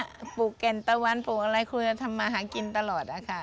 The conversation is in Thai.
ตรงนี้ปลูกเก่นทะวันปลูกอะไรครูจะทำมาหากินตลอดค่ะ